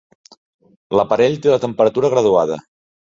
L'aparell té la temperatura graduada.